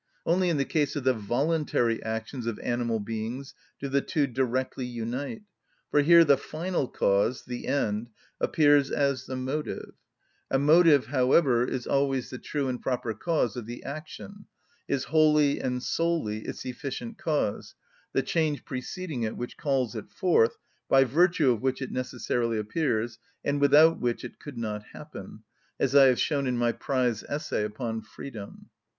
Only in the case of the voluntary actions of animal beings do the two directly unite, for here the final cause, the end, appears as the motive; a motive, however, is always the true and proper cause of the action, is wholly and solely its efficient cause, the change preceding it which calls it forth, by virtue of which it necessarily appears, and without which it could not happen; as I have shown in my prize essay upon freedom.